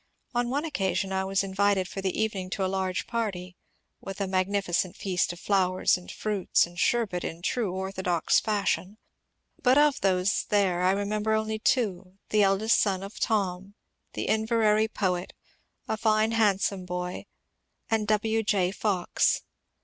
On one occasion I was invited for the evening to a large party (with a magnificent feast of flowers "and fruits and sherbet in true orthodox fashion), but of those there I remember only two, the eldest son of Thom, the Inver ary poet, a fine, hand^me boy, and W. J. Fox.